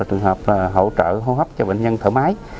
trường hợp là hỗ trợ hô hấp cho bệnh nhân thở máy